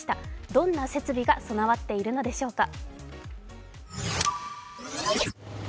どんな設備が備わっているのでしょうか。